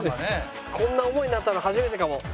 こんな思いになったの初めてかも。